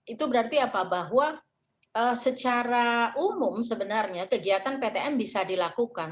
itu berarti apa bahwa secara umum sebenarnya kegiatan ptm bisa dilakukan